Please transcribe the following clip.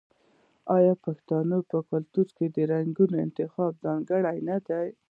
آیا د پښتنو په کلتور کې د رنګونو انتخاب ځانګړی نه دی؟